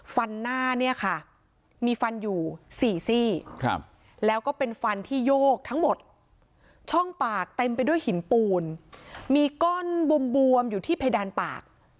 ฟันหน้าเนี่ยค่ะมีฟันอยู่๔ซี่แล้วก็เป็นฟันที่โยกทั้งหมดช่องปากเต็มไปด้วยหินปูนมีก้อนบวมอยู่ที่เพดานปาก